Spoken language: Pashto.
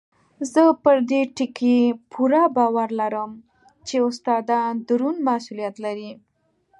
زه پر دې ټکي پوره باور لرم چې استادان دروند مسؤلیت لري.